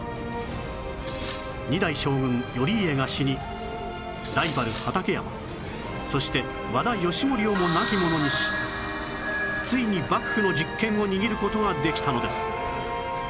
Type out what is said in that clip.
二代将軍頼家が死にライバル畠山そして和田義盛をも亡き者にしついに幕府の実権を握る事ができたのです